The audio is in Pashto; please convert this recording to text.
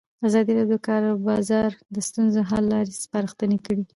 ازادي راډیو د د کار بازار د ستونزو حل لارې سپارښتنې کړي.